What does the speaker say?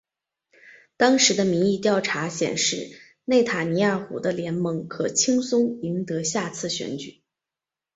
当时的民意调查显示内塔尼亚胡的联盟可轻松赢得下次选举。